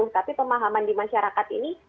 tapi pemahaman di masyarakat ini